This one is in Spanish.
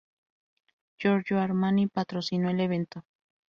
Giorgio Armani patrocinó el evento.